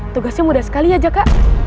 tugasnya mudah sekali ya jaka